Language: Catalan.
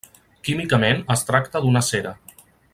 Químicament es tracta d’una cera.